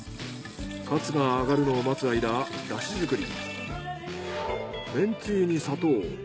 カツが揚がるのを待つ間ダシ作り。